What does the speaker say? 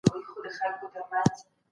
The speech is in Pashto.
ایا کورني سوداګر وچ توت پلوري؟